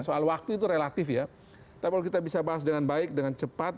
soal waktu itu relatif ya tapi kalau kita bisa bahas dengan baik dengan cepat